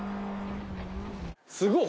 すごい。